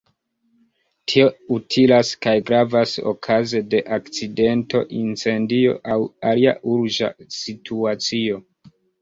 Tio utilas kaj gravas okaze de akcidento, incendio aŭ alia urĝa situacio.